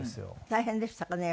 大変でしたかね？